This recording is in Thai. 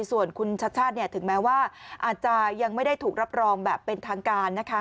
ส่วนคุณชัดชาติถึงแม้ว่าอาจจะยังไม่ได้ถูกรับรองแบบเป็นทางการนะคะ